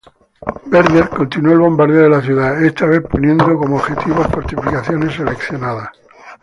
Werder continuó el bombardeo de la ciudad, esta vez poniendo como objetivos fortificaciones seleccionadas.